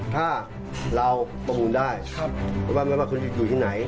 ถ้าเราประมูลได้ไม่ว่าคุณจะอยู่ที่ไหน